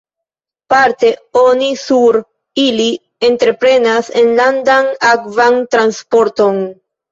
Parte oni sur ili entreprenas enlandan akvan transporton.